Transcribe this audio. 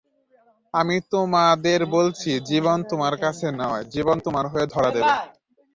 আমি তোমাদের বলেছি, জীবন তোমার কাছে নয়, জীবন তোমার হয়ে ধরা দেবে।